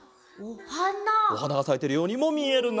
おはながさいてるようにもみえるな。